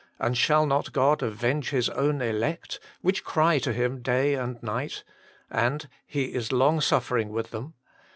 And shall not God avenge His own elect, which cry to Him day and night, and He is long suffering with them